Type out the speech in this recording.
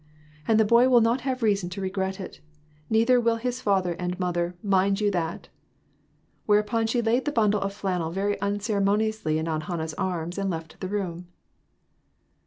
And the boy will not have reason to regret it ; neither will his father and mother ; mind you that !" Whereupon she laid the bundle of flannel very unceremoniously in his Aunt Han nah's arms and left the room.